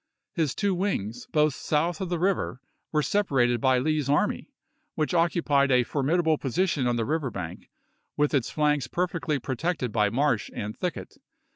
His two wings, both south of the river, were separated by Lee's army, which occupied a formidable position on the river bank, with its flanks perfectly protected by marsh and thicket.